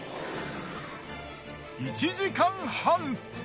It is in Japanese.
１時間半。